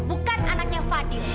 bukan anaknya fadil